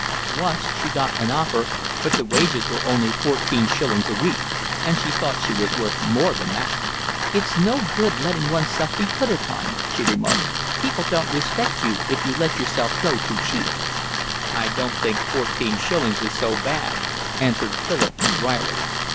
Once she got an offer, but the wages were only fourteen shillings a week, and she thought she was worth more than that. "It's no good letting oneself be put upon," she remarked. "People don't respect you if you let yourself go too cheap." "I don't think fourteen shillings is so bad," answered Philip, drily.